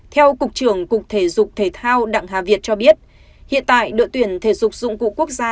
theo cục trưởng cục thể dục thể thao đặng hà việt cho biết hiện tại đội tuyển thể dục dụng cụ quốc gia